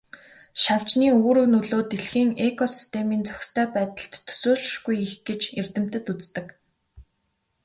Шавжны үүрэг нөлөө дэлхийн экосистемийн зохистой байдалд төсөөлшгүй их гэж эрдэмтэд үздэг.